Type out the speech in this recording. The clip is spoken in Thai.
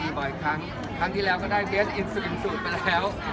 บ่อยครั้งครั้งที่แล้วก็ได้เบสอินสลิมซูดไปแล้ว